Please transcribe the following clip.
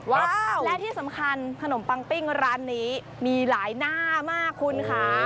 และที่สำคัญขนมปังปิ้งร้านนี้มีหลายหน้ามากคุณค่ะ